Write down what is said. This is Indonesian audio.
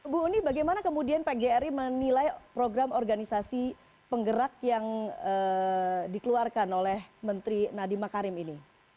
bu uni bagaimana kemudian pgri menilai program organisasi penggerak yang dikeluarkan oleh menteri nadiem makarim ini